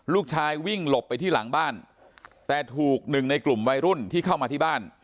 ลูกชายวิ่งหลบไปที่หลังบ้านแต่ถูกหนึ่งในกลุ่มวัยรุ่นที่เข้ามาที่บ้าน